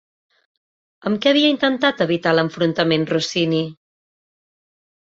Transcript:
Amb què havia intentat evitar l'enfrontament Rossini?